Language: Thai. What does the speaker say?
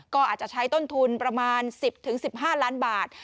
ก็อาจจะใช้ต้นทุนประมาณ๑๐๑๕ล้านบาท